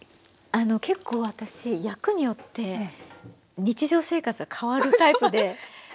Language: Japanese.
あの結構私役によって日常生活が変わるタイプで。